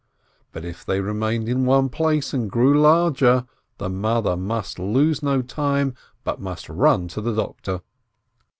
But if they re mained in one place and grew larger, the mother must lose no time, but must run to the doctor.